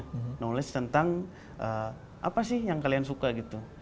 knowledge tentang apa sih yang kalian suka gitu